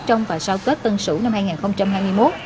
trong và sau tết tân sửu năm hai nghìn hai mươi một